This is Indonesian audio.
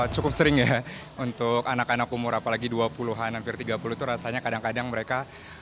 cukup sering ya untuk anak anak umur apalagi dua puluh an hampir tiga puluh itu rasanya kadang kadang mereka